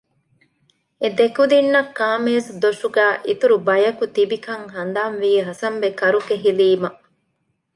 އެ ދެކުދިންނަށް ކާމޭޒުދޮށުގައި އިތުރު ބަޔަކު ތިބިކަން ހަނދާންވީ ހަސަންބެ ކަރުކެހިލީމަ